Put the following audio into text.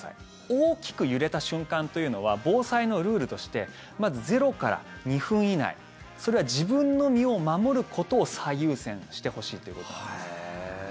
大きく揺れた瞬間というのは防災のルールとしてまず０から２分以内それは自分の身を守ることを最優先してほしいということです。